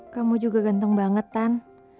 kamu juga ganteng banget kan